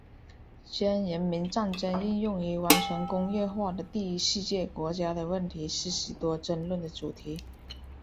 将人民战争应用于完全工业化的第一世界国家的问题是许多争论的主题。